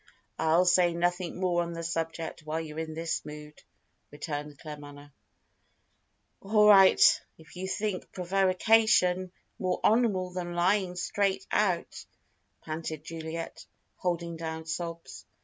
"I'll say nothing more on the subject while you're in this mood," returned Claremanagh. "All right, if you think prevarication more honourable than lying straight out," panted Juliet, holding down sobs.